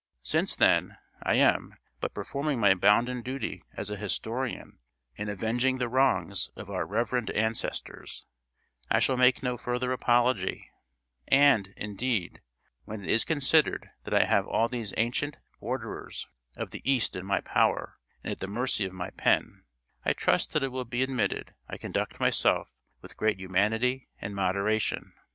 Since, then, I am but performing my bounden duty as a historian in avenging the wrongs of our reverend ancestors, I shall make no further apology; and, indeed, when it is considered that I have all these ancient borderers of the east in my power, and at the mercy of my pen, I trust that it will be admitted I conduct myself with great humanity and moderation.